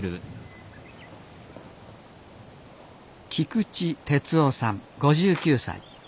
菊池哲男さん５９歳。